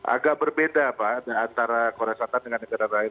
agak berbeda pak antara korea selatan dengan negara lain